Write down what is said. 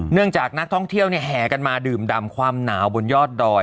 จากนักท่องเที่ยวแห่กันมาดื่มดำความหนาวบนยอดดอย